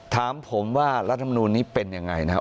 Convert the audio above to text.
ถามผมว่ารัฐมนุนนี้เป็นยังไงนะ